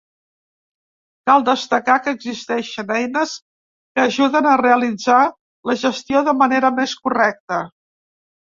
Cal destacar que, existeixen eines que ajuden a realitzar la gestió de manera més correcta.